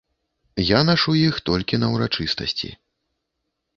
Я нашу іх толькі на ўрачыстасці.